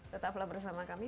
tetaplah bersama kami